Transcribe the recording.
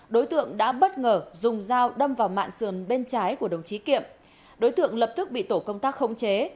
đối tượng đã bất ngờ dùng dao đâm vào mạng sườn bên trái của đồng chí kiệm đối tượng lập tức bị tổ công tác khống chế